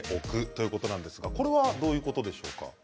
ということなんですがこれはどういうことですか。